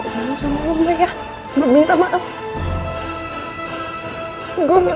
gua mau sama rumpanya minta maaf gua mau